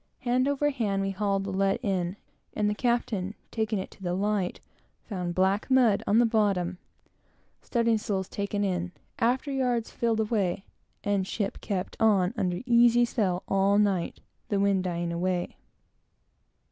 Hand over hand, we hauled the lead in, and the captain, taking it to the light, found black mud on the bottom. Studding sails taken in; after yards filled, and ship kept on under easy sail all night; the wind dying away.